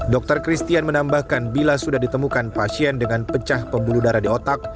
dr christian menambahkan bila sudah ditemukan pasien dengan pecah pembuluh darah di otak